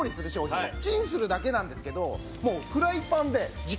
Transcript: チンするだけなんですけどもう。